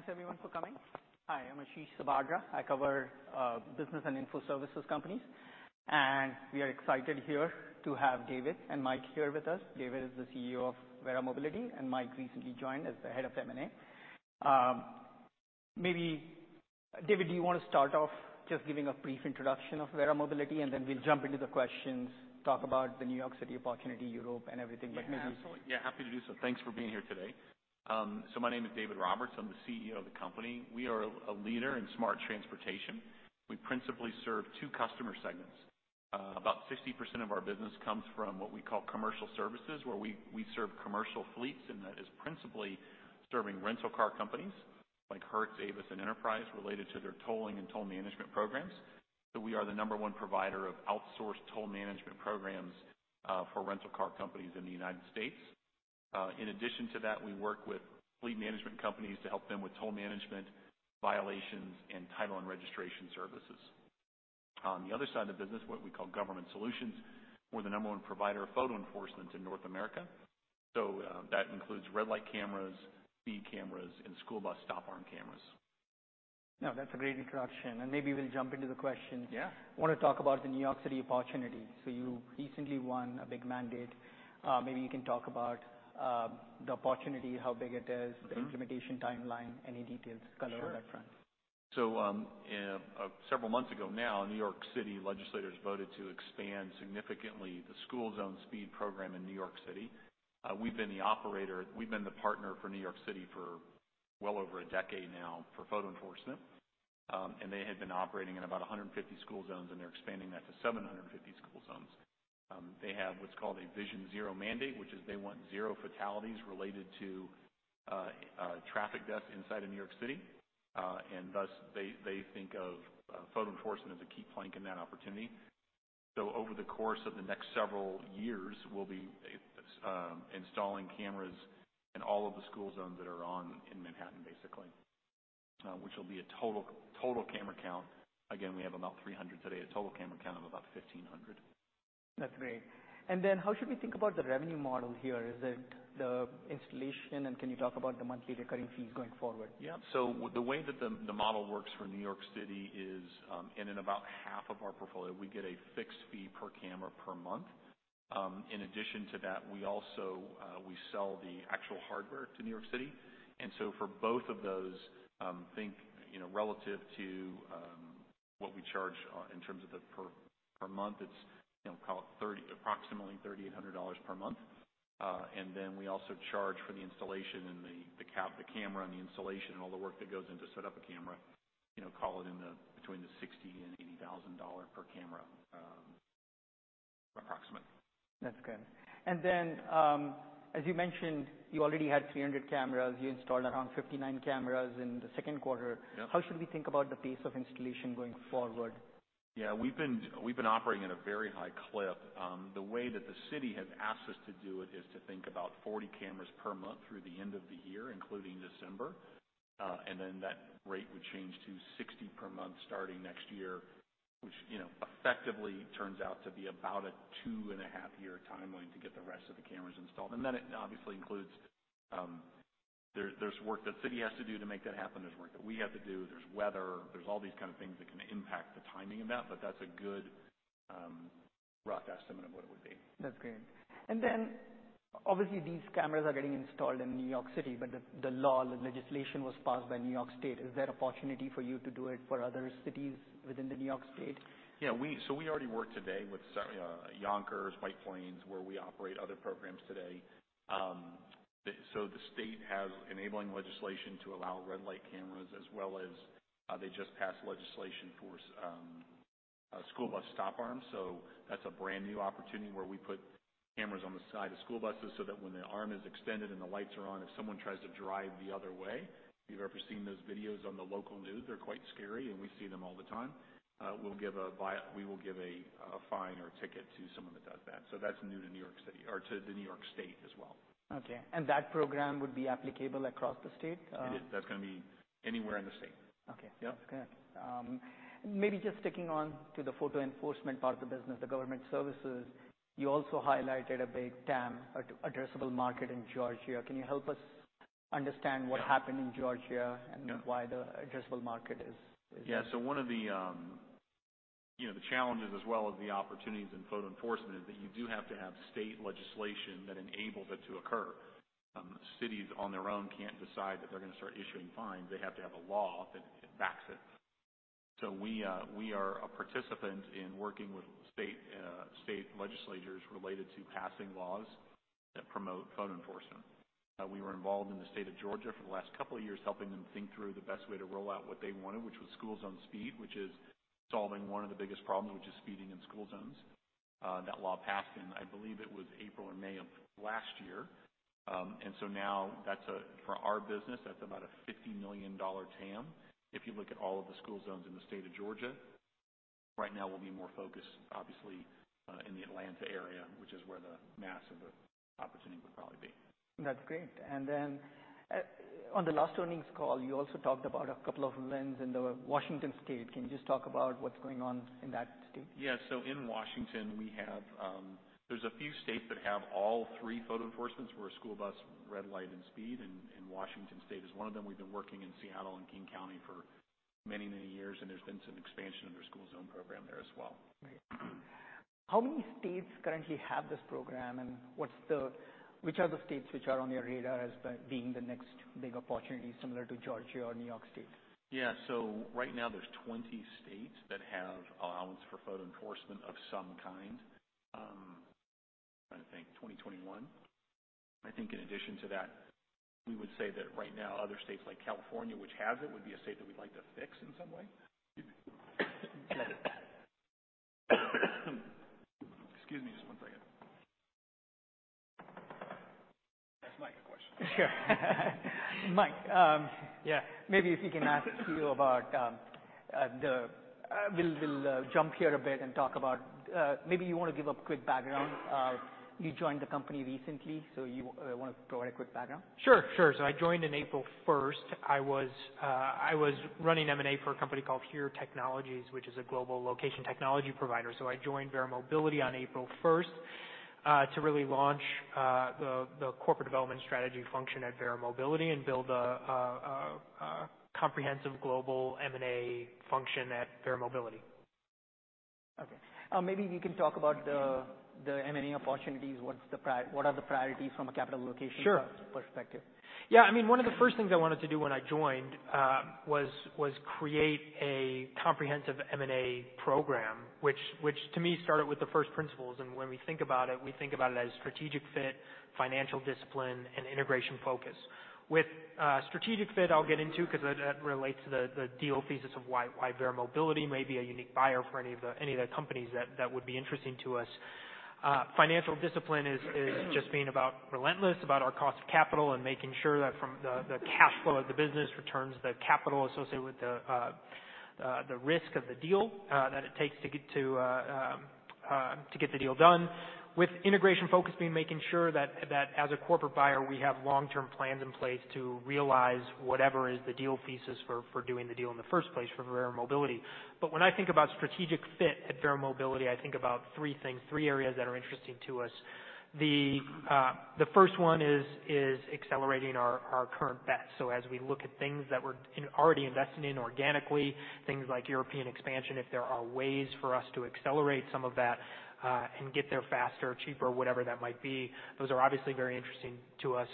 Thanks everyone for coming. Hi, I'm Ashish Sabadra. I cover business and info services companies, and we are excited here to have David and Mike here with us. David is the CEO of Verra Mobility, and Mike recently joined as the head of M&A. Maybe, David, do you want to start off just giving a brief introduction of Verra Mobility, and then we'll jump into the questions, talk about the New York City opportunity, Europe, and everything? Yeah. Absolutely. Yeah, happy to do so. Thanks for being here today. My name is David Roberts. I'm the CEO of the company. We are a leader in smart transportation. We principally serve two customer segments. About 60% of our business comes from what we call commercial services, where we serve commercial fleets, and that is principally serving rental car companies like Hertz, Avis, and Enterprise related to their tolling and toll management programs. We are the number one provider of outsourced toll management programs for rental car companies in the United States. In addition to that, we work with fleet management companies to help them with toll management, violations, and title and registration services. On the other side of the business, what we call Government Solutions, we're the number one provider of photo enforcement in North America. That includes red light cameras, speed cameras, and school bus stop arm cameras. No, that's a great introduction, and maybe we'll jump into the questions. Yeah. I want to talk about the New York City opportunity. You recently won a big mandate. Maybe you can talk about the opportunity, how big it is? the implementation timeline, any details, color on that front. Sure. Several months ago now, New York City legislators voted to expand significantly the school zone speed program in New York City. We've been the partner for New York City for well over a decade now for photo enforcement. They had been operating in about 150 school zones, and they're expanding that to 750 school zones. They have what's called a Vision Zero mandate, which is they want zero fatalities related to traffic deaths inside of New York City. Thus, they think of photo enforcement as a key plank in that opportunity. Over the course of the next several years, we'll be installing cameras in all of the school zones that are on in Manhattan, basically, which will be a total camera count Again, we have about 300 today, a total camera count of about 1,500. That's great. How should we think about the revenue model here? Is it the installation? Can you talk about the monthly recurring fees going forward? The way that the model works for New York City is, and in about half of our portfolio, we get a fixed fee per camera per month. In addition to that, we sell the actual hardware to New York City. For both of those, think relative to what we charge in terms of it per month, it's approximately $3,800 per month. We also charge for the installation and the camera and all the work that goes into set up a camera. Call it between the $60,000 and $80,000 per camera, approximately. That's good. As you mentioned, you already had 300 cameras. You installed around 59 cameras in the second quarter. Yeah. How should we think about the pace of installation going forward? Yeah. We've been operating at a very high clip. The way that the City has asked us to do it is to think about 40 cameras per month through the end of the year, including December. That rate would change to 60 per month starting next year, which effectively turns out to be about a two-and-a-half year timeline to get the rest of the cameras installed. It obviously includes, there's work that City has to do to make that happen. There's work that we have to do. There's weather. There's all these kind of things that can impact the timing of that. That's a good rough estimate of what it would be. That's great. Obviously these cameras are getting installed in New York City. The law, the legislation was passed by New York State. Is there opportunity for you to do it for other cities within the New York State? Yeah. We already work today with Yonkers, White Plains, where we operate other programs today. The state has enabling legislation to allow red light cameras as well as they just passed legislation for school bus stop arms. That's a brand-new opportunity where we put cameras on the side of school buses so that when the arm is extended and the lights are on, if someone tries to drive the other way, if you've ever seen those videos on the local news, they're quite scary, and we see them all the time. We will give a fine or ticket to someone that does that. That's new to the New York State as well. Okay. That program would be applicable across the state? It is. That's gonna be anywhere in the state. Okay. Yeah. That's good. Maybe just sticking on to the photo enforcement part of the business, the Government Solutions, you also highlighted a big TAM, addressable market in Georgia. Can you help us understand what happened in Georgia and why the addressable market is? Yeah. One of the challenges as well as the opportunities in photo enforcement is that you do have to have state legislation that enables it to occur. Cities on their own can't decide that they're gonna start issuing fines. They have to have a law that backs it. We are a participant in working with state legislatures related to passing laws that promote photo enforcement. We were involved in the state of Georgia for the last couple of years, helping them think through the best way to roll out what they wanted, which was school zone speed, which is solving one of the biggest problems, which is speeding in school zones. That law passed in, I believe it was April or May of last year. Now for our business, that's about a $50 million TAM if you look at all of the school zones in the state of Georgia. Right now, we'll be more focused, obviously, in the Atlanta area, which is where the mass of the opportunity would probably be. That's great. On the last earnings call, you also talked about a couple of wins in the Washington state. Can you just talk about what's going on in that state? Yeah. In Washington, there's a few states that have all three photo enforcements, where school bus, red light, and speed. Washington State is one of them. We've been working in Seattle and King County for many, many years, and there's been some expansion of their school zone program there as well. Right. How many states currently have this program, and which are the states which are on your radar as being the next big opportunity similar to Georgia or New York State? Yeah. Right now there's 20 states that have allowance for photo enforcement of some kind. Trying to think, 2021. I think in addition to that, we would say that right now other states like California, which has it, would be a state that we'd like to fix in some way. Excuse me just one second. Ask Mike a question. Sure. Mike. Yeah. We'll jump here a bit and talk about, maybe you want to give a quick background. You joined the company recently. You want to provide a quick background? Sure. I joined in April 1st. I was running M&A for a company called HERE Technologies, which is a global location technology provider. I joined Verra Mobility on April 1st, to really launch the corporate development strategy function at Verra Mobility and build a comprehensive global M&A function at Verra Mobility. Okay. Maybe you can talk about the M&A opportunities. What are the priorities from a capital allocation? Sure perspective? Yeah, one of the first things I wanted to do when I joined was create a comprehensive M&A program, which to me started with the first principles. When we think about it, we think about it as strategic fit, financial discipline, and integration focus. With strategic fit, I'll get into because that relates to the deal thesis of why Verra Mobility may be a unique buyer for any of the companies that would be interesting to us. Financial discipline is just being about relentless, about our cost of capital. Making sure that from the cash flow of the business returns the capital associated with the risk of the deal that it takes to get the deal done. With integration focus being making sure that as a corporate buyer, we have long-term plans in place to realize whatever is the deal thesis for doing the deal in the first place for Verra Mobility. When I think about strategic fit at Verra Mobility, I think about three things, three areas that are interesting to us. The first one is accelerating our current bet. As we look at things that we're already investing in organically, things like European expansion, if there are ways for us to accelerate some of that, and get there faster, cheaper, whatever that might be, those are obviously very interesting to us.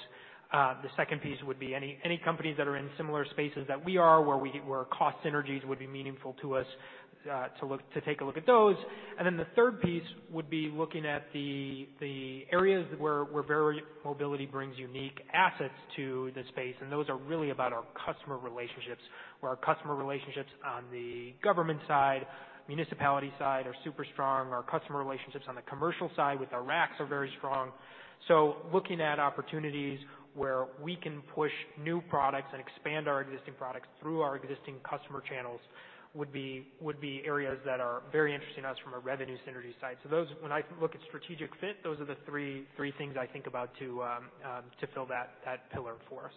The second piece would be any companies that are in similar spaces that we are, where cost synergies would be meaningful to us, to take a look at those. The third piece would be looking at the areas where Verra Mobility brings unique assets to the space, and those are really about our customer relationships, where our customer relationships on the government side, municipality side, are super strong. Our customer relationships on the commercial side with our RACs are very strong. Looking at opportunities where we can push new products and expand our existing products through our existing customer channels would be areas that are very interesting to us from a revenue synergy side. When I look at strategic fit, those are the three things I think about to fill that pillar for us.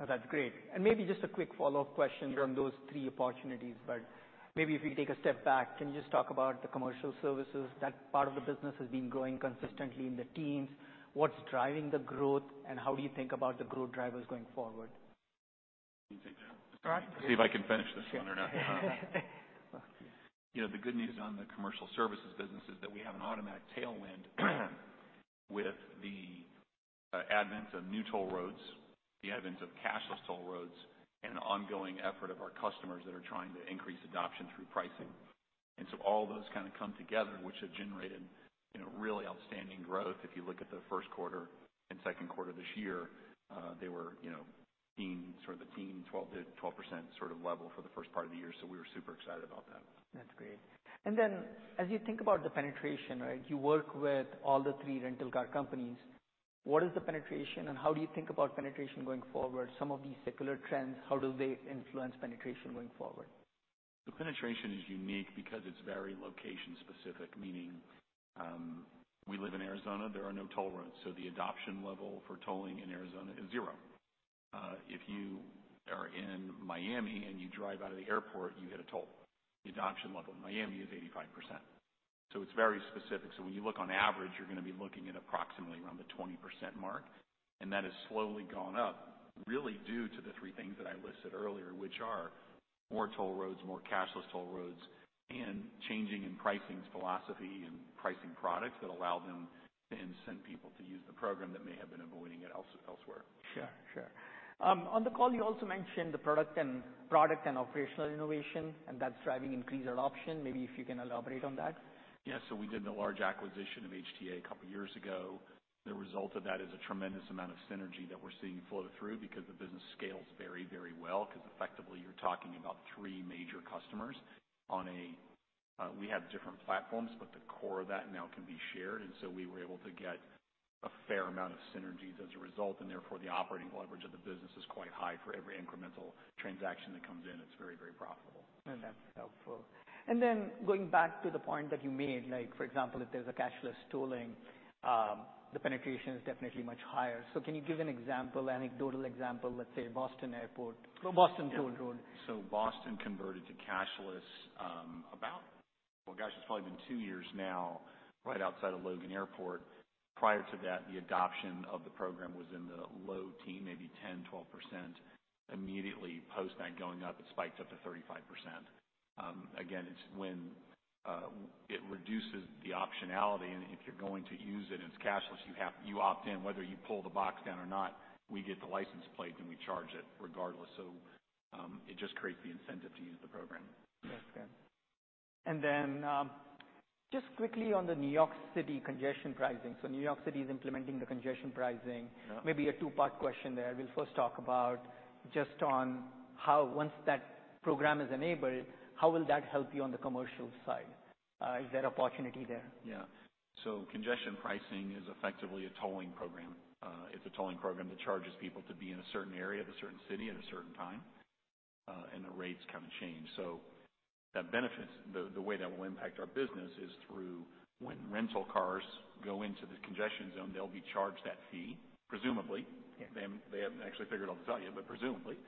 No, that's great. Maybe just a quick follow-up question from those three opportunities, but maybe if you take a step back, can you just talk about the commercial services? That part of the business has been growing consistently in the teens. What's driving the growth, and how do you think about the growth drivers going forward? Let me take that. All right. See if I can finish this one or not. The good news on the commercial services business is that we have an automatic tailwind with the advent of new toll roads, the advent of cashless toll roads, and ongoing effort of our customers that are trying to increase adoption through pricing. All those come together, which have generated really outstanding growth. If you look at the first quarter and second quarter of this year, they were seeing sort of the teen 12% sort of level for the first part of the year. We were super excited about that. That's great. As you think about the penetration, you work with all the three Rental Car Companies. What is the penetration and how do you think about penetration going forward? Some of these secular trends, how do they influence penetration going forward? The penetration is unique because it's very location specific, meaning, we live in Arizona, there are no toll roads. The adoption level for tolling in Arizona is zero. If you are in Miami and you drive out of the airport, you hit a toll. The adoption level in Miami is 85%. It's very specific. When you look on average, you're going to be looking at approximately around the 20% mark, and that has slowly gone up really due to the three things that I listed earlier, which are more toll roads, more cashless toll roads, and changing in pricing philosophy and pricing products that allow them to incent people to use the program that may have been avoiding it elsewhere. Sure. On the call, you also mentioned the product and operational innovation, and that's driving increased adoption. Maybe if you can elaborate on that? Yeah. We did the large acquisition of HTA a couple of years ago. The result of that is a tremendous amount of synergy that we're seeing flow through because the business scales very well because effectively you're talking about three major customers. We have different platforms, but the core of that now can be shared, we were able to get a fair amount of synergies as a result, the operating leverage of the business is quite high for every incremental transaction that comes in. It's very profitable. That's helpful. Then going back to the point that you made, like for example, if there's a cashless tolling, the penetration is definitely much higher. Can you give an anecdotal example, let's say Boston Airport or Boston toll road? Boston converted to cashless. Well, gosh, it's probably been two years now, right outside of Logan Airport. Prior to that, the adoption of the program was in the low teen, maybe 10%, 12%. Immediately post that going up, it spiked up to 35%. It reduces the optionality, and if you're going to use it's cashless. You opt in. Whether you pull the box down or not, we get the license plate, and we charge it regardless. It just creates the incentive to use the program. That's good. Just quickly on the New York City congestion pricing. New York City is implementing the congestion pricing. Yeah. Maybe a two-part question there. We'll first talk about just on how, once that program is enabled, how will that help you on the commercial side? Is there opportunity there? Yeah. congestion pricing is effectively a tolling program. It's a tolling program that charges people to be in a certain area of a certain city at a certain time. The rates kind of change. The way that will impact our business is through when rental cars go into the congestion zone, they'll be charged that fee, presumably. They haven't actually figured out the value, presumably.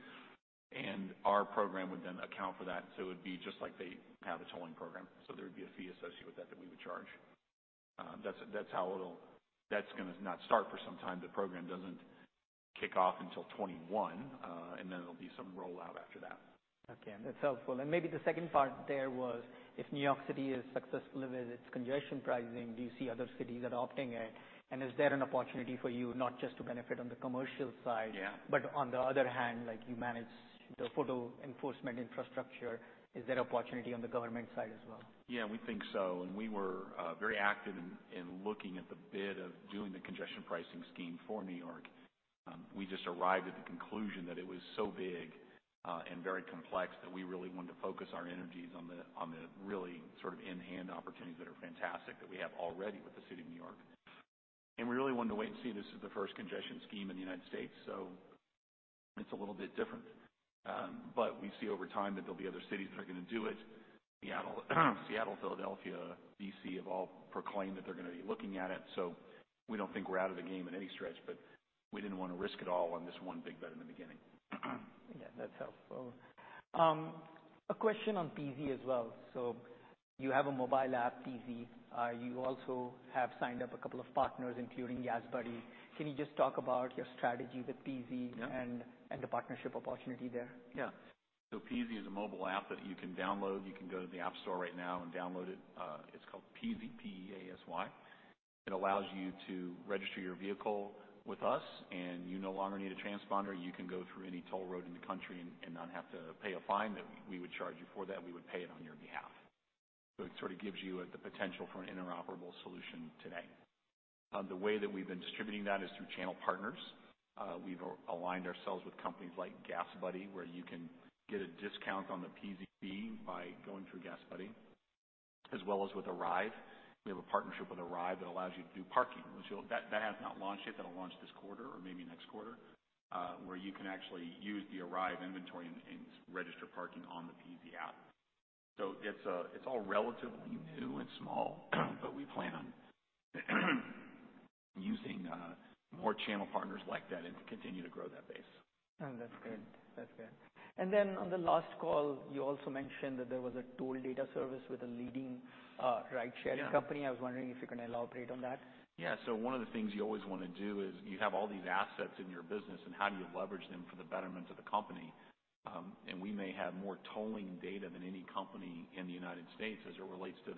Our program would account for that. It would be just like they have a tolling program. There would be a fee associated with that we would charge. That's going to not start for some time. The program doesn't kick off until 2021. There'll be some rollout after that. Okay. That's helpful. Maybe the second part there was, if New York City is successful with its congestion pricing, do you see other cities adopting it? Is there an opportunity for you not just to benefit on the commercial side? Yeah On the other hand, like you manage the photo enforcement infrastructure, is there opportunity on the Government side as well? We think so. We were very active in looking at the bid of doing the congestion pricing scheme for New York. We just arrived at the conclusion that it was so big and very complex that we really wanted to focus our energies on the really sort of in-hand opportunities that are fantastic that we have already with the City of New York. We really wanted to wait and see. This is the first congestion scheme in the United States, so it's a little bit different. We see over time that there'll be other cities that are going to do it. Seattle, Philadelphia, D.C., have all proclaimed that they're going to be looking at it. We don't think we're out of the game in any stretch, but we didn't want to risk it all on this one big bet in the beginning. Yeah, that's helpful. A question on Peasy as well. You have a mobile app, Peasy. You also have signed up a couple of partners, including GasBuddy. Can you just talk about your strategy with Peasy? Yeah The partnership opportunity there? Yeah. Peasy is a mobile app that you can download. You can go to the App Store right now and download it. It's called Peasy, P-E-A-S-Y. It allows you to register your vehicle with us, and you no longer need a transponder. You can go through any toll road in the country and not have to pay a fine that we would charge you for that. We would pay it on your behalf. It sort of gives you the potential for an interoperable solution today. The way that we've been distributing that is through channel partners. We've aligned ourselves with companies like GasBuddy, where you can get a discount on the Peasy fee by going through GasBuddy, as well as with Arrive. We have a partnership with Arrive that allows you to do parking. That has not launched yet. That'll launch this quarter or maybe next quarter, where you can actually use the Arrive inventory and register parking on the Peasy app. It's all relatively new and small, but we plan on using more channel partners like that and to continue to grow that base. Oh, that's good. On the last call, you also mentioned that there was a toll data service with a leading rideshare company. Yeah. I was wondering if you can elaborate on that. Yeah. One of the things you always want to do is you have all these assets in your business, and how do you leverage them for the betterment of the company? We may have more tolling data than any company in the U.S. as it relates to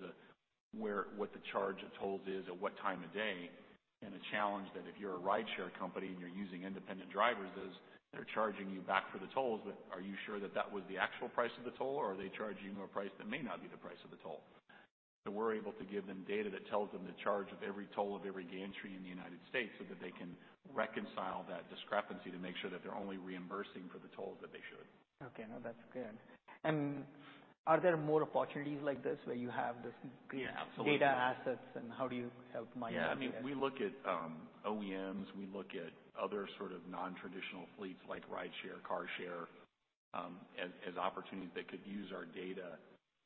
what the charge of tolls is at what time of day. A challenge that if you're a rideshare company and you're using independent drivers is they're charging you back for the tolls, but are you sure that that was the actual price of the toll, or are they charging you a price that may not be the price of the toll? We're able to give them data that tells them the charge of every toll of every gantry in the United States so that they can reconcile that discrepancy to make sure that they're only reimbursing for the tolls that they should. Okay. No, that's good. Are there more opportunities like this where you have this? Yeah, absolutely. data assets, how do you help manage that data? Yeah. We look at OEMs, we look at other sort of non-traditional fleets like rideshare, car share, as opportunities that could use our data,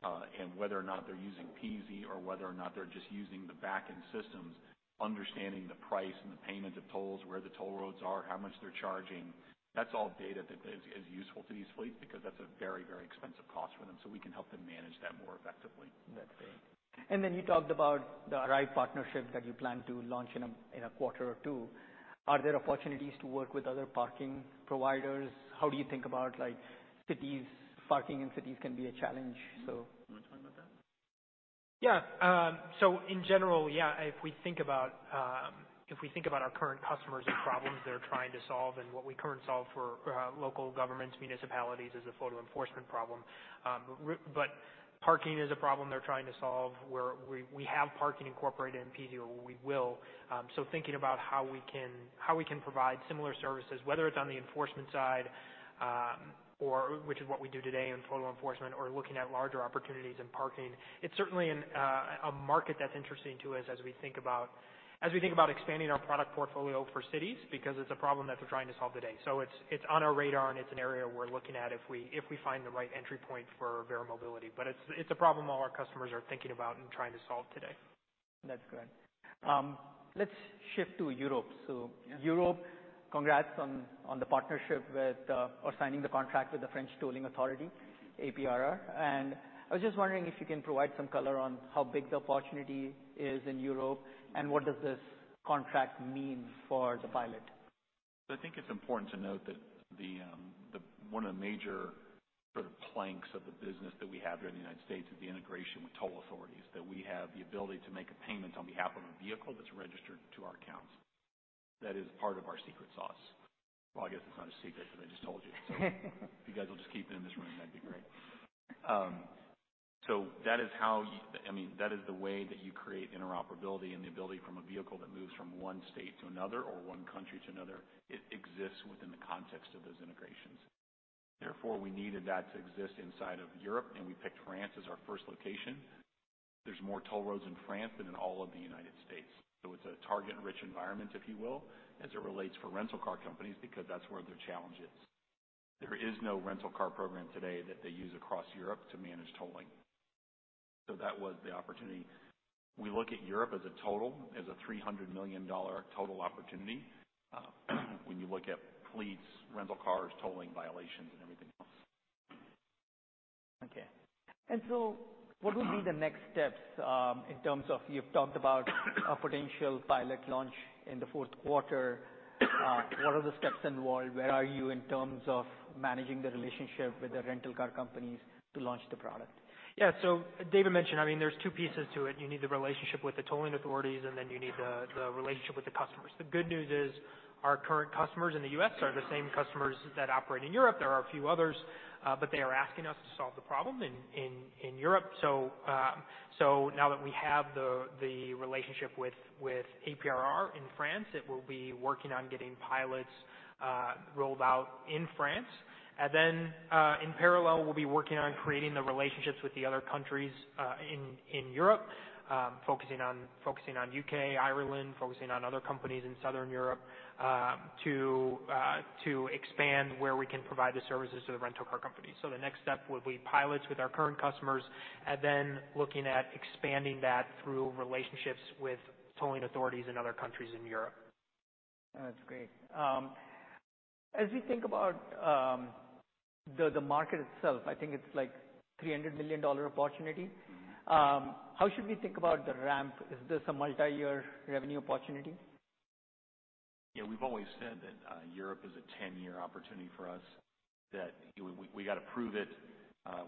and whether or not they're using Peasy or whether or not they're just using the back-end systems, understanding the price and the payment of tolls, where the toll roads are, how much they're charging. That's all data that is useful to these fleets because that's a very expensive cost for them. We can help them manage that more effectively. That's great. You talked about the Arrive partnership that you plan to launch in a quarter or two. Are there opportunities to work with other parking providers? How do you think about, like, cities? Parking in cities can be a challenge. You want to talk about that? Yeah. In general, yeah, if we think about our current customers and problems they're trying to solve and what we currently solve for local governments, municipalities is a photo enforcement problem. Parking is a problem they're trying to solve, where we have parking incorporated in Peasy, or we will. Thinking about how we can provide similar services, whether it's on the enforcement side, which is what we do today in photo enforcement, or looking at larger opportunities in parking. It's certainly a market that's interesting to us as we think about expanding our product portfolio for cities because it's a problem that they're trying to solve today. It's on our radar, and it's an area we're looking at if we find the right entry point for Verra Mobility. It's a problem all our customers are thinking about and trying to solve today. That's correct. Let's shift to Europe. Yeah. Europe, congrats on the partnership with or signing the contract with the French tolling authority, APRR. I was just wondering if you can provide some color on how big the opportunity is in Europe, and what does this contract mean for the pilot? I think it's important to note that one of the major sort of planks of the business that we have here in the United States is the integration with toll authorities, that we have the ability to make a payment on behalf of a vehicle that's registered to our accounts. That is part of our secret sauce. I guess it's not a secret because I just told you. If you guys will just keep it in this room, that'd be great. That is the way that you create interoperability and the ability from a vehicle that moves from one state to another or one country to another. It exists within the context of those integrations. We needed that to exist inside of Europe, and we picked France as our first location. There's more toll roads in France than in all of the United States. It's a target-rich environment, if you will, as it relates for rental car companies, because that's where their challenge is. There is no rental car program today that they use across Europe to manage tolling. That was the opportunity. We look at Europe as a total, as a $300 million total opportunity, when you look at fleets, rental cars, tolling violations, and everything else. Okay. What would be the next steps in terms of, you've talked about a potential pilot launch in the fourth quarter. What are the steps involved? Where are you in terms of managing the relationship with the rental car companies to launch the product? Yeah. David mentioned, there's two pieces to it. You need the relationship with the tolling authorities, and then you need the relationship with the customers. The good news is our current customers in the U.S. are the same customers that operate in Europe. There are a few others, but they are asking us to solve the problem in Europe. Now that we have the relationship with APRR in France, we'll be working on getting pilots rolled out in France. In parallel, we'll be working on creating the relationships with the other countries in Europe, focusing on U.K., Ireland, focusing on other companies in Southern Europe, to expand where we can provide the services to the rental car companies. The next step would be pilots with our current customers, and then looking at expanding that through relationships with tolling authorities in other countries in Europe. That's great. As we think about the market itself, I think it's like a $300 million opportunity. How should we think about the ramp? Is this a multi-year revenue opportunity? We've always said that Europe is a 10-year opportunity for us, that we got to prove it.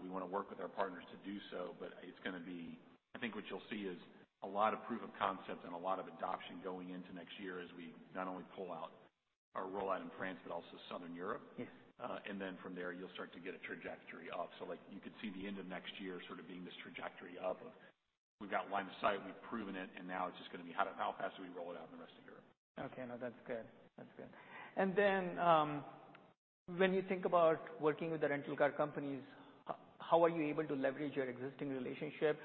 We want to work with our partners to do so, but I think what you'll see is a lot of proof of concept and a lot of adoption going into next year as we not only pull out our rollout in France, but also Southern Europe. Yes. From there, you'll start to get a trajectory up. You could see the end of next year sort of being this trajectory up of we've got line of sight, we've proven it, and now it's just going to be how fast do we roll it out in the rest of Europe. Okay. No, that's good. When you think about working with the rental car companies, how are you able to leverage your existing relationship?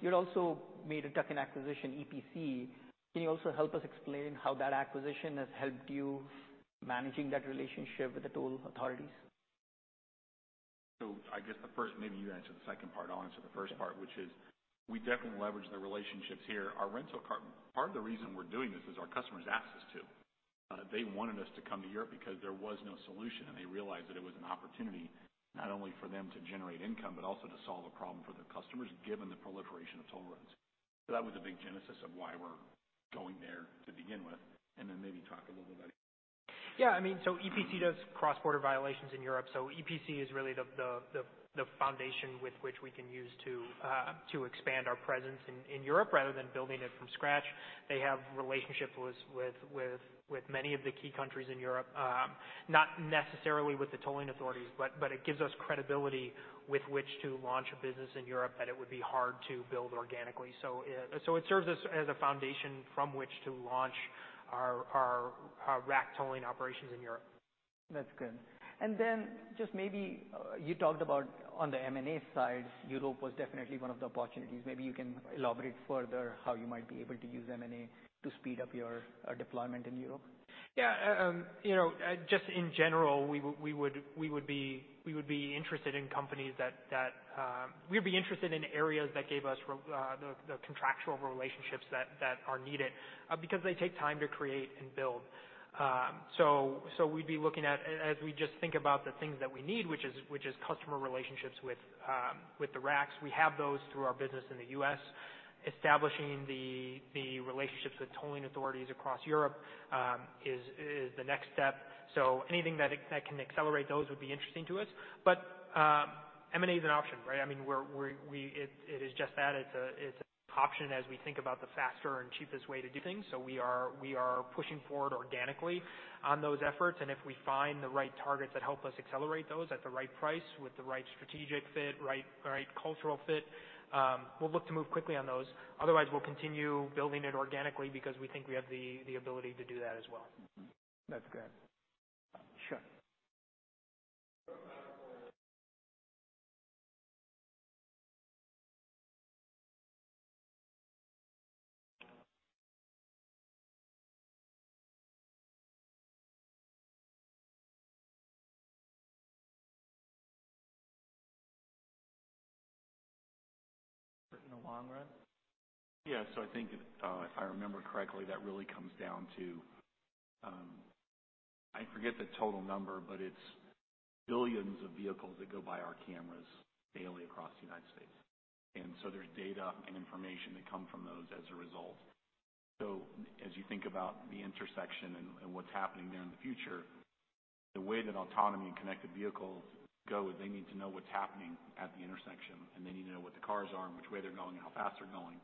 You'd also made a tuck-in acquisition, EPC. Can you also help us explain how that acquisition has helped you managing that relationship with the toll authorities? I guess maybe you answer the second part, I'll answer the first part, which is we definitely leverage the relationships here. Part of the reason we're doing this is our customers asked us to. They wanted us to come to Europe because there was no solution, and they realized that it was an opportunity not only for them to generate income, but also to solve a problem for their customers, given the proliferation of toll roads. That was a big genesis of why we're going there to begin with. Maybe talk a little about EPC. Yeah. EPC does cross-border violations in Europe. EPC is really the foundation with which we can use to expand our presence in Europe rather than building it from scratch. They have relationships with many of the key countries in Europe. Not necessarily with the tolling authorities, but it gives us credibility with which to launch a business in Europe that it would be hard to build organically. It serves as a foundation from which to launch our RAC tolling operations in Europe. That's good. Just maybe you talked about on the M&A side, Europe was definitely one of the opportunities. Maybe you can elaborate further how you might be able to use M&A to speed up your deployment in Europe. Yeah. Just in general, we would be interested in areas that gave us the contractual relationships that are needed because they take time to create and build. We'd be looking at, as we just think about the things that we need, which is customer relationships with the RACs. We have those through our business in the U.S. Establishing the relationships with tolling authorities across Europe is the next step. Anything that can accelerate those would be interesting to us. M&A is an option, right? It is just that, it's an option as we think about the faster and cheapest way to do things. We are pushing forward organically on those efforts, and if we find the right targets that help us accelerate those at the right price with the right strategic fit, right cultural fit, we'll look to move quickly on those. Otherwise, we'll continue building it organically because we think we have the ability to do that as well. That's good. Sure. In the long run? Yeah. I think, if I remember correctly, that really comes down to I forget the total number, but it's billions of vehicles that go by our cameras daily across the U.S. There's data and information that come from those as a result. As you think about the intersection and what's happening there in the future, the way that autonomy and connected vehicles go, they need to know what's happening at the intersection, and they need to know what the cars are and which way they're going and how fast they're going.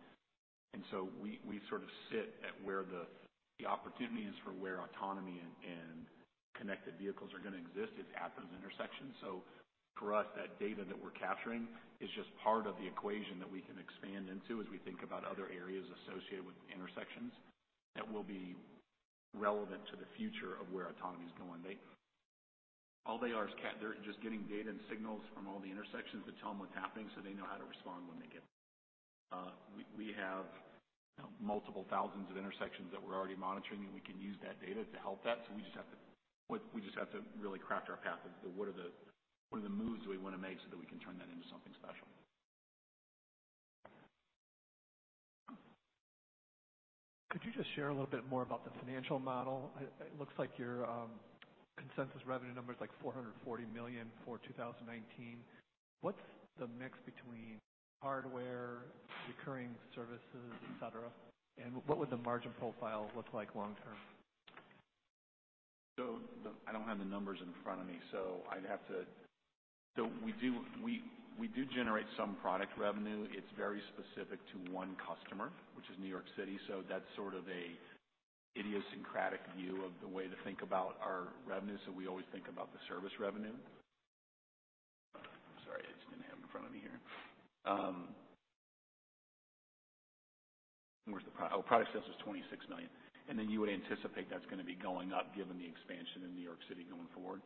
We sort of sit at where the opportunity is for where autonomy and connected vehicles are going to exist is at those intersections. For us, that data that we're capturing is just part of the equation that we can expand into as we think about other areas associated with intersections that will be relevant to the future of where autonomy is going. All they are is, they're just getting data and signals from all the intersections that tell them what's happening so they know how to respond. We have multiple thousands of intersections that we're already monitoring, and we can use that data to help that. We just have to really craft our path of the what are the moves that we want to make so that we can turn that into something special. Could you just share a little bit more about the financial model? It looks like your consensus revenue number is like $440 million for 2019. What's the mix between hardware, recurring services, et cetera, and what would the margin profile look like long term? I don't have the numbers in front of me, so I'd have to. We do generate some product revenue. It's very specific to one customer, which is New York City. That's sort of a idiosyncratic view of the way to think about our revenue. We always think about the service revenue. Sorry, I just didn't have it in front of me here. Where's the. Oh, product sales was $26 million. Then you would anticipate that's going to be going up given the expansion in New York City going forward.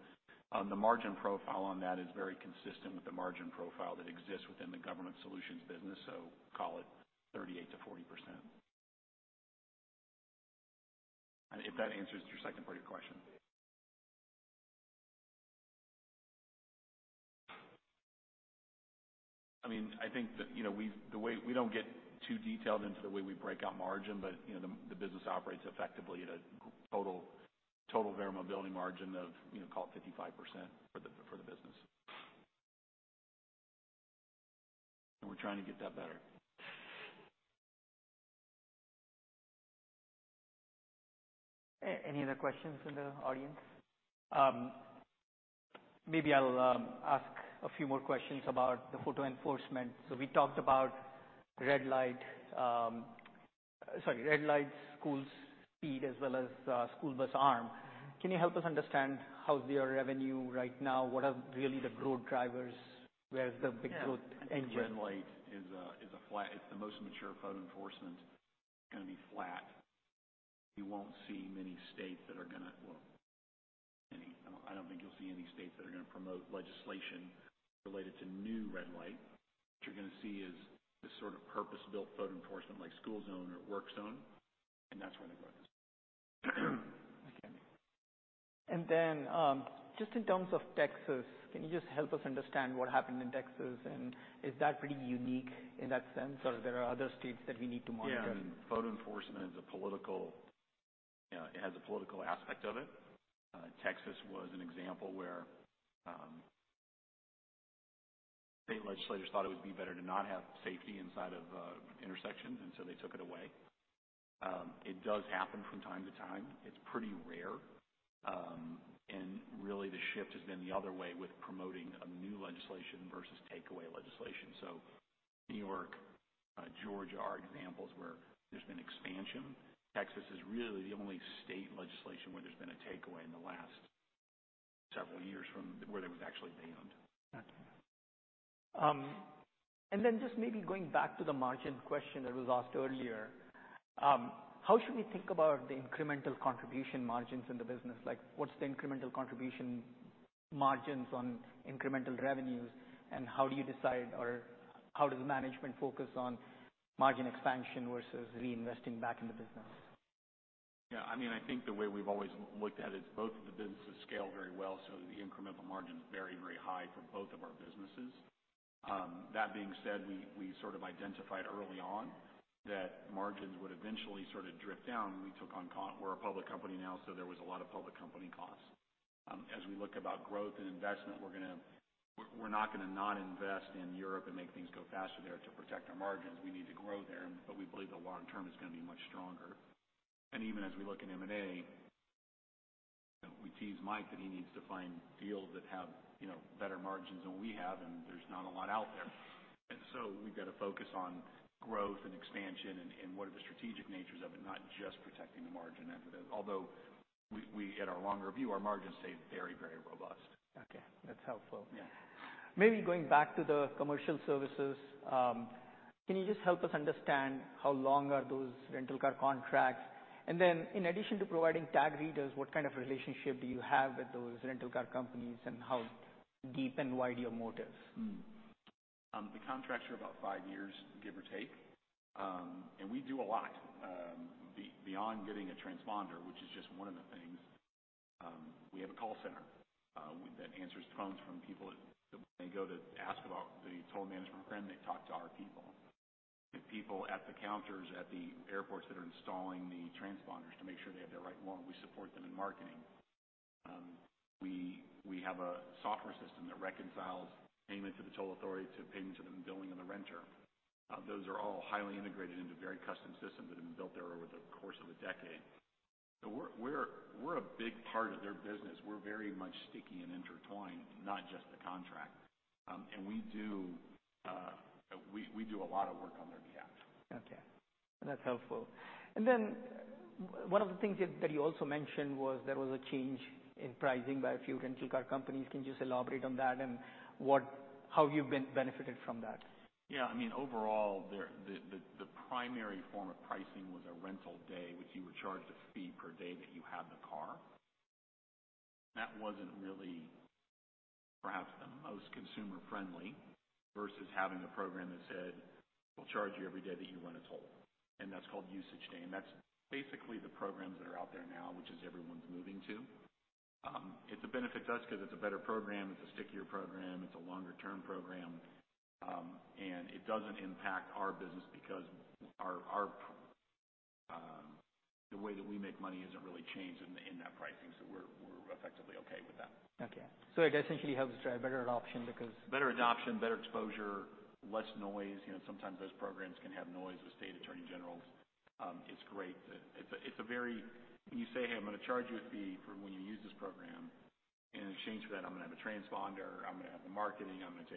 The margin profile on that is very consistent with the margin profile that exists within the Government Solutions business. Call it 38%-40%. If that answers your second part of your question. Yeah. I think that we don't get too detailed into the way we break out margin, but the business operates effectively at a total Verra Mobility margin of, call it 55% for the business. We're trying to get that better. Any other questions from the audience? Maybe I'll ask a few more questions about the photo enforcement. We talked about red light, schools speed, as well as school bus arm. Can you help us understand how's their revenue right now? What are really the growth drivers? Where's the big growth engine? Yeah. Red light is a flat. It's the most mature photo enforcement. It's going to be flat. You won't see many states that are going to Well, any. I don't think you'll see any states that are going to promote legislation related to new red light. What you're going to see is this sort of purpose-built photo enforcement, like school zone or work zone, and that's where the growth is. Okay. Just in terms of Texas, can you just help us understand what happened in Texas, and is that pretty unique in that sense, or there are other states that we need to monitor? Yeah. Photo enforcement is a political aspect of it. Texas was an example where state legislators thought it would be better to not have safety inside of intersections, they took it away. It does happen from time to time. It's pretty rare. Really, the shift has been the other way with promoting a new legislation versus takeaway legislation. New York, Georgia are examples where there's been expansion. Texas is really the only state legislation where there's been a takeaway in the last several years from where that was actually banned. Okay. Just maybe going back to the margin question that was asked earlier, how should we think about the incremental contribution margins in the business? Like, what's the incremental contribution margins on incremental revenues, and how do you decide, or how does the management focus on margin expansion versus reinvesting back in the business? Yeah. I think the way we've always looked at it is both of the businesses scale very well. The incremental margin is very high for both of our businesses. That being said, we sort of identified early on that margins would eventually sort of drip down. We're a public company now. There was a lot of public company costs. As we look about growth and investment, we're not going to not invest in Europe and make things go faster there to protect our margins. We need to grow there. We believe the long term is going to be much stronger. Even as we look at M&A, we tease Mike that he needs to find deals that have better margins than we have. There's not a lot out there. We've got to focus on growth and expansion and what are the strategic natures of it, not just protecting the margin. Although we, at our longer view, our margins stay very robust. Okay. That's helpful. Yeah. Maybe going back to the commercial services, can you just help us understand how long are those rental car contracts? Then in addition to providing tag readers, what kind of relationship do you have with those rental car companies, and how deep and wide your model? The contracts are about five years, give or take. We do a lot. Beyond getting a transponder, which is just one of the things. We have a call center that answers phones from people that when they go to ask about the toll management program, they talk to our people, the people at the counters at the airports that are installing the transponders to make sure they have the right one. We support them in marketing. We have a software system that reconciles payment to the toll authority to payment to the billing and the renter. Those are all highly integrated into very custom systems that have been built there over the course of a decade. We're a big part of their business. We're very much sticky and intertwined, not just the contract. We do a lot of work on their behalf. Okay. That's helpful. One of the things that you also mentioned was there was a change in pricing by a few rental car companies. Can you elaborate on that and how you've benefited from that? Yeah. Overall, the primary form of pricing was a rental day, which you were charged a fee per day that you had the car. That wasn't really perhaps the most consumer-friendly versus having a program that said, "We'll charge you every day that you run a toll." That's called usage day, and that's basically the programs that are out there now, which is everyone's moving to. It's a benefit to us because it's a better program, it's a stickier program, it's a longer-term program. It doesn't impact our business because the way that we make money isn't really changed in that pricing. We're effectively okay with that. Okay. It essentially helps drive better adoption. Better adoption, better exposure, less noise. Sometimes those programs can have noise with State Attorney Generals. It's great. When you say, "Hey, I'm going to charge you a fee for when you use this program. In exchange for that, I'm going to have a transponder, I'm going to have the marketing," it's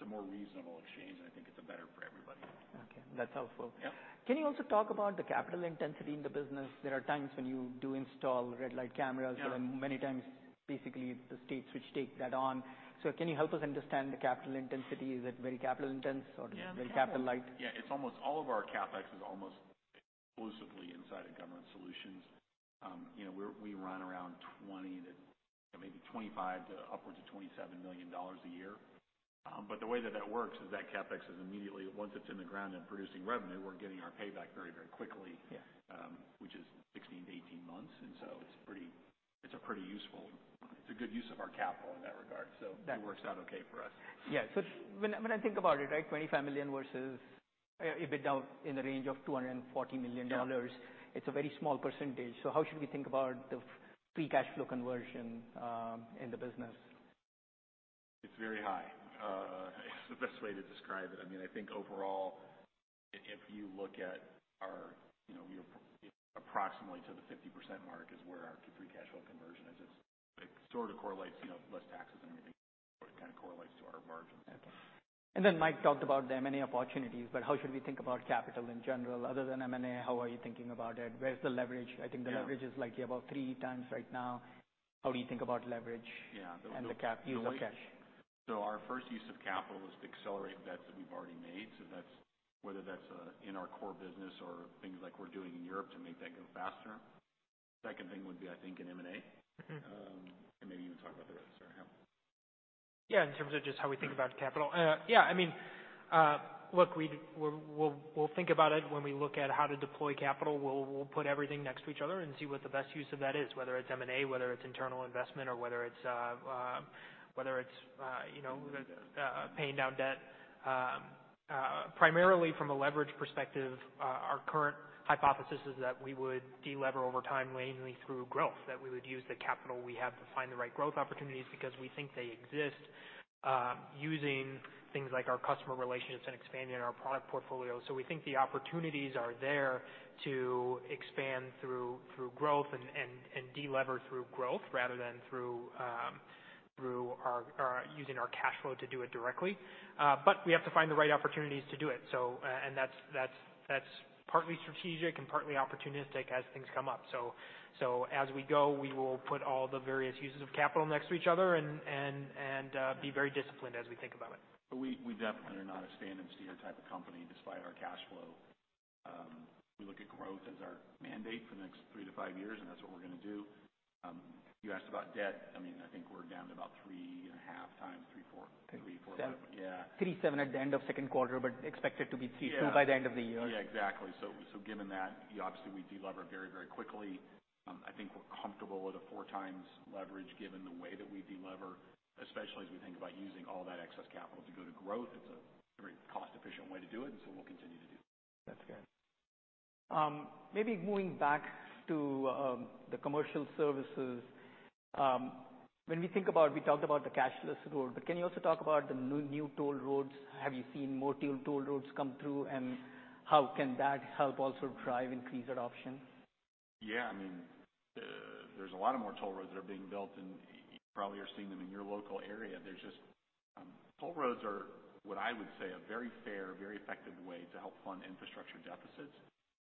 a more reasonable exchange, and I think it's better for everybody. Okay. That's helpful. Yeah. Can you also talk about the capital intensity in the business? There are times when you do install red light cameras- Yeah Many times, basically, the states which take that on. Can you help us understand the capital intensity? Is it very capital intense or very capital light? Yeah. All of our CapEx is almost exclusively inside of Government Solutions. We run around 20 to maybe 25 to upwards of $27 million a year. The way that that works is that CapEx is immediately, once it's in the ground and producing revenue, we're getting our payback very, very quickly. Yeah which is 16 to 18 months. It's a good use of our capital in that regard. It works out okay for us. When I think about it, $25 million versus EBITDA in the range of $240 million. Yeah it's a very small percentage. How should we think about the free cash flow conversion in the business? It's very high. It's the best way to describe it. I think overall, if you look at approximately to the 50% mark is where our free cash flow conversion is. It sort of correlates, less taxes and everything, but it kind of correlates to our margins. Okay. Mike talked about the M&A opportunities. How should we think about capital in general other than M&A? How are you thinking about it? Where's the leverage? Yeah. I think the leverage is likely about three times right now. How do you think about leverage? Yeah The CapEx use of cash? Our first use of capital is to accelerate the bets that we've already made. Whether that's in our core business or things like we're doing in Europe to make that go faster. Second thing would be, I think, in M&A. Maybe you want to talk about the rest. Sure, yeah. In terms of just how we think about capital. Look, we'll think about it when we look at how to deploy capital. We'll put everything next to each other and see what the best use of that is, whether it's M&A, whether it's internal investment, or whether it's paying down debt. Primarily from a leverage perspective, our current hypothesis is that we would de-lever over time mainly through growth. We would use the capital we have to find the right growth opportunities because we think they exist, using things like our customer relationships and expanding our product portfolio. We think the opportunities are there to expand through growth and de-lever through growth rather than through using our cash flow to do it directly. We have to find the right opportunities to do it. That's partly strategic and partly opportunistic as things come up. As we go, we will put all the various uses of capital next to each other and be very disciplined as we think about it. We definitely are not a stand-and-steer type of company, despite our cash flow. We look at growth as our mandate for the next three to five years, and that's what we're going to do. You asked about debt. I think we're down to about three and a half times, three, four. Three, seven. Yeah. 3.7 at the end of second quarter, but expected to be 3.2 by the end of the year. Yeah, exactly. Given that, obviously, we de-lever very, very quickly. I think we're comfortable with a four times leverage given the way that we de-lever, especially as we think about using all that excess capital to go to growth. It's a very cost-efficient way to do it, we'll continue to do that. That's good. Maybe moving back to the commercial services. When we think about, we talked about the cashless road, but can you also talk about the new toll roads? Have you seen more toll roads come through, and how can that help also drive increased adoption? Yeah. There's a lot of more toll roads that are being built, and you probably are seeing them in your local area. Toll roads are, what I would say, a very fair, very effective way to help fund infrastructure deficits.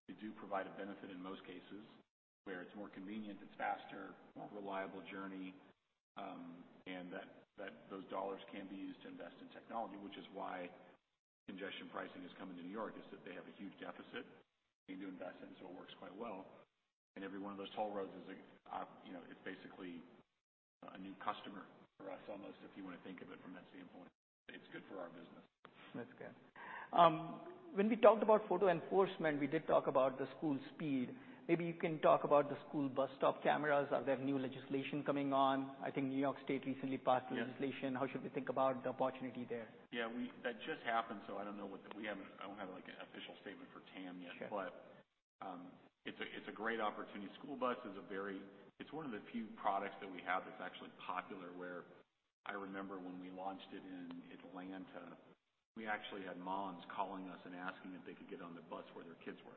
They do provide a benefit in most cases, where it's more convenient, it's faster, more reliable journey. That those dollars can be used to invest in technology, which is why congestion pricing is coming to New York, is that they have a huge deficit they need to invest in, so it works quite well. Every one of those toll roads is basically customer for us almost, if you want to think of it from that standpoint. It's good for our business. That's good. When we talked about photo enforcement, we did talk about the school speed. Maybe you can talk about the school bus stop cameras. They have new legislation coming on. I think New York State recently passed. Yeah legislation. How should we think about the opportunity there? Yeah, that just happened. I don't have an official statement for TAM yet. Sure. It's a great opportunity. School bus, it's one of the few products that we have that's actually popular, where I remember when we launched it in Atlanta, we actually had moms calling us and asking if they could get on the bus where their kids were,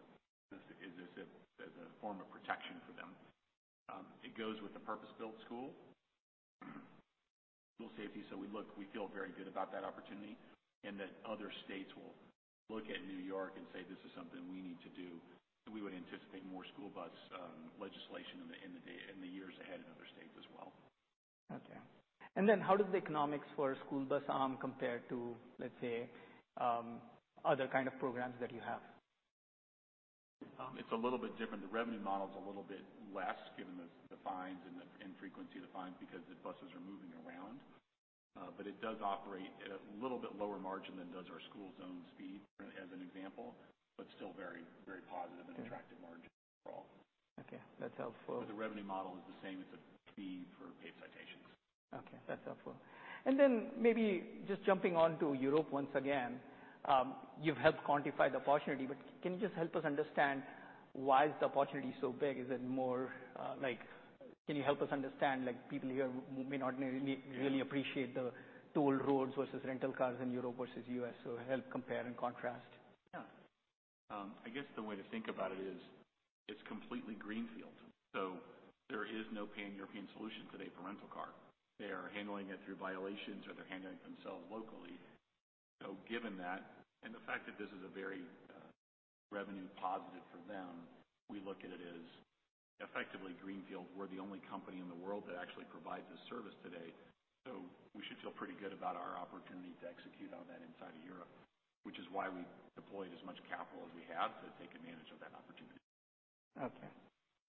as a form of protection for them. It goes with the purpose-built school safety, we feel very good about that opportunity, and that other states will look at New York and say, "This is something we need to do." We would anticipate more school bus legislation in the years ahead in other states as well. Okay. How does the economics for school bus arm compare to, let's say, other kind of programs that you have? It's a little bit different. The revenue model is a little bit less, given the fines and the frequency of the fines, because the buses are moving around. It does operate at a little bit lower margin than does our school zone speed, as an example, but still very positive and attractive margin overall. Okay. That's helpful. The revenue model is the same. It's a fee for paid citations. Okay. That's helpful. Then maybe just jumping onto Europe once again. You've helped quantify the opportunity, but can you just help us understand why is the opportunity so big? Can you help us understand, like people here may not really appreciate the tolled roads versus rental cars in Europe versus U.S. Help compare and contrast. Yeah. I guess the way to think about it is it's completely greenfield. There is no pay-in-European solution today for rental car. They are handling it through violations, or they're handling it themselves locally. Given that and the fact that this is very revenue positive for them, we look at it as effectively greenfield. We're the only company in the world that actually provides this service today, so we should feel pretty good about our opportunity to execute on that inside of Europe, which is why we deployed as much capital as we have to take advantage of that opportunity. Okay.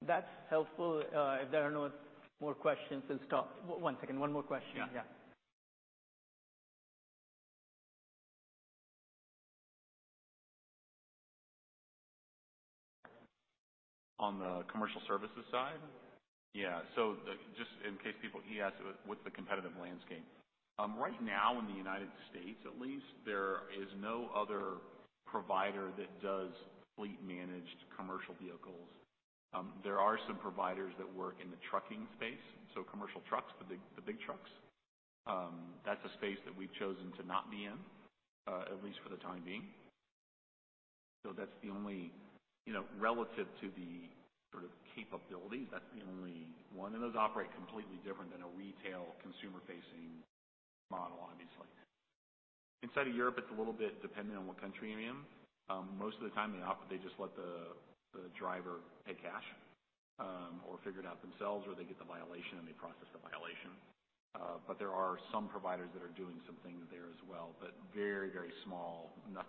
That's helpful. If there are no more questions, stop. One second. One more question. Yeah. Yeah. On the commercial services side? Yeah. Just in case people He asked what's the competitive landscape. Right now in the U.S. at least, there is no other provider that does fleet-managed commercial vehicles. There are some providers that work in the trucking space, so commercial trucks, the big trucks. That's a space that we've chosen to not be in, at least for the time being. Relative to the capabilities, that's the only one, and those operate completely different than a retail consumer-facing model, obviously. Inside of Europe, it's a little bit dependent on what country you're in. Most of the time, they just let the driver pay cash or figure it out themselves, or they get the violation, and they process the violation. There are some providers that are doing some things there as well. Very, very small. I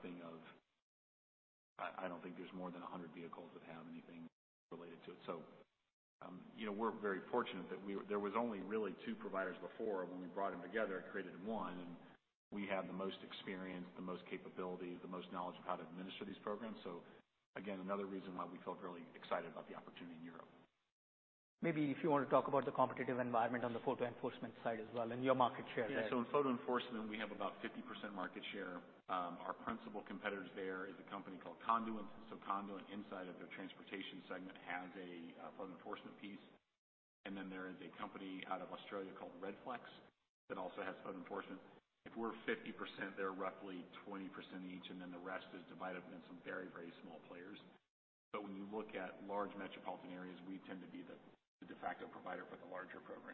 don't think there's more than 100 vehicles that have anything related to it. We're very fortunate that there was only really two providers before. When we brought them together, it created one, and we have the most experience, the most capability, the most knowledge of how to administer these programs. Again, another reason why we felt really excited about the opportunity in Europe. Maybe if you want to talk about the competitive environment on the photo enforcement side as well and your market share there. Yeah. In photo enforcement, we have about 50% market share. Our principal competitor there is a company called Conduent. Conduent, inside of their transportation segment, has a photo enforcement piece, and then there is a company out of Australia called Redflex that also has photo enforcement. If we're 50%, they're roughly 20% each, and then the rest is divided between some very, very small players. When you look at large metropolitan areas, we tend to be the de facto provider for the larger programs.